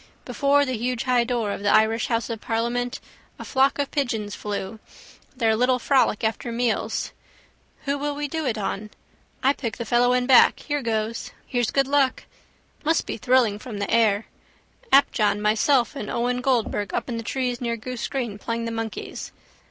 Before the huge high door of the Irish house of parliament a flock of pigeons flew. Their little frolic after meals. Who will we do it on? I pick the fellow in black. Here goes. Here's good luck. Must be thrilling from the air. Apjohn, myself and Owen Goldberg up in the trees near Goose green playing the monkeys.